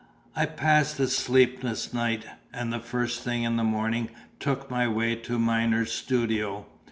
I passed a sleepless night, and the first thing in the morning took my way to Myner's studio.